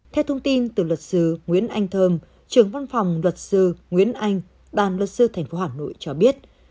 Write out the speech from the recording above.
theo thông tin từ luật sư nguyễn anh thơm trưởng văn phòng luật sư nguyễn anh đoàn luật sư tp hà nội cho biết